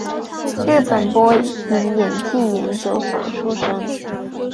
日本播音演技研究所出身。